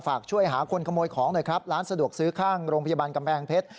ช่วยหาคนขโมยของหน่อยครับร้านสะดวกซื้อข้างโรงพยาบาลกำแพงเพชร